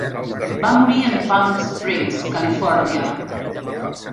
Va morir en Palm Springs, Califòrnia.